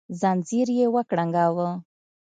ځنځير يې وکړانګاوه